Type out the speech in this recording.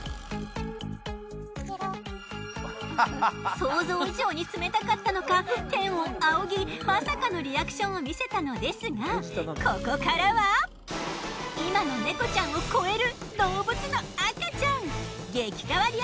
想像以上に冷たかったのか天を仰ぎまさかのリアクションを見せたのですがここからは今のネコちゃんを超える。